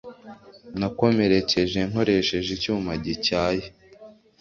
Nakomerekeje nkoresheje icyuma gityaye.